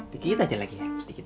dikit aja lagi ya sedikit